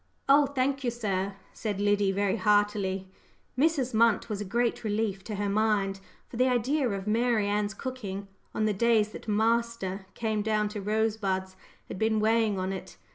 "Oh, thank you, sir," said Liddy very heartily. Mrs. Munt was a great relief to her mind, for the idea of Mary Ann's cooking on the days that "master" came down to Rosebuds had been weighing on it.